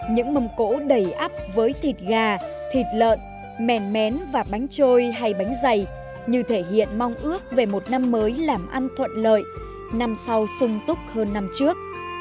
những mầm cỗ đầy áp với thịt gà thịt lợn mèn mén và bánh trôi hay bánh dày như thể hiện mong ước về một năm mới làm ăn thuận lợi năm sau sung túc hơn năm trước